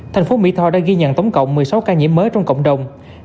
thành phố mỹ tho đã ghi nhận tổng cộng một mươi sáu ca nhiễm mới trong cộng đồng